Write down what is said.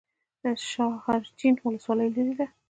شاحرچین ولسوالۍ لیرې ده؟